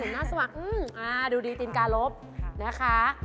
หน้าสว่างดูดีตินการลบนะคะ